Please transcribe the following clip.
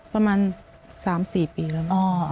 ประมาณ๓๔ปีแล้ว